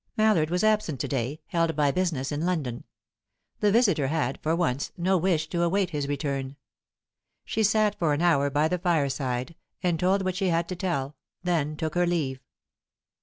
Mallard was absent to day, held by business in London. The visitor had, for once, no wish to await his return. She sat for an hour by the fireside, and told what she had to tell; then took her leave.